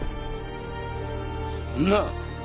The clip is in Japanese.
そんな！